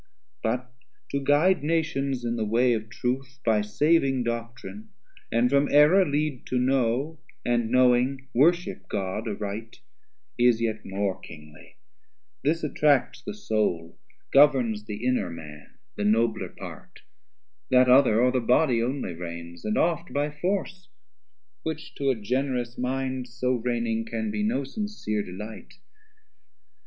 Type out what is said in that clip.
But to guide Nations in the way of truth By saving Doctrine, and from errour lead To know, and knowing worship God aright, Is yet more Kingly, this attracts the Soul, Governs the inner man, the nobler part, That other o're the body only reigns, And oft by force, which to a generous mind So reigning can be no sincere delight.